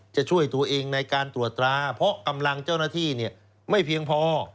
จะช่วยตัวเองในการตรวจตราเพราะกำลังเจ้าหน้าที่ไม่เพียงพอ